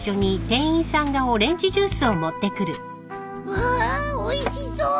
わあおいしそう。